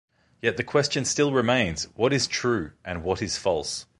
Yet the question still remains: What is true, and what is false?